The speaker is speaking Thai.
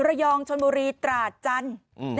ระยองชนบุรีตราดจันทร์